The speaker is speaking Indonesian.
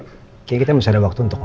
kayaknya kita masih ada waktu untuk